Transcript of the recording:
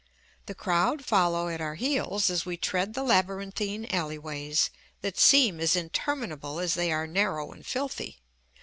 The crowd follow at our heels as we tread the labyrinthine alleyways, that seem as interminable as they are narrow and filthy.